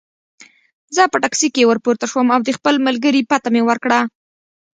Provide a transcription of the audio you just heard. زه په ټکسي کې ورپورته شوم او د خپل ملګري پته مې ورکړه.